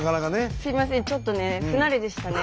すいませんちょっとね不慣れでしたね。